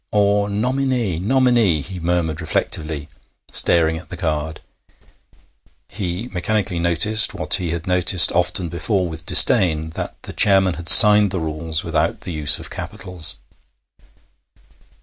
'Or nominee nominee,' he murmured reflectively, staring at the card. He mechanically noticed, what he had noticed often before with disdain, that the chairman had signed the rules without the use of capitals.